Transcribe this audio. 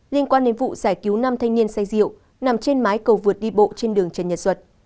liên quan đến vụ giải cứu năm thanh niên say rượu nằm trên mái cầu vượt đi bộ trên đường trần nhật duật